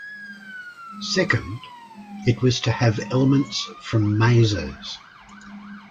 Second, it was to have elements from mazes.